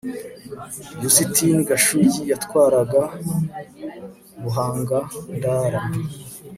Yustini Gashugi yatwaraga BuhangaNdara